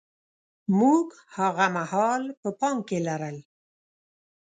موږ هاغه مهال په پام کې لرل.